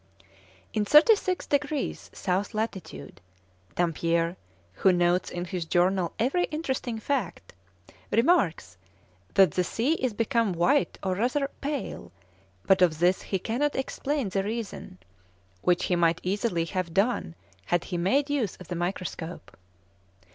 In 36 degrees south latitude, Dampier, who notes in his journal every interesting fact, remarks that the sea is become white or rather pale, but of this he cannot explain the reason, which he might easily have done had he made use of the microscope.